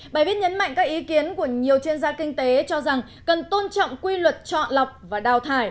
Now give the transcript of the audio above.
bài viết nhấn mạnh các ý kiến của nhiều chuyên gia kinh tế cho rằng cần tôn trọng quy luật chọn lọc và đào thải